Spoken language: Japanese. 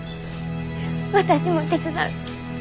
私も手伝う。